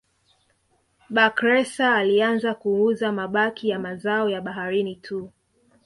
Bakhresa alianza kuuza mabaki ya mazao ya baharini tu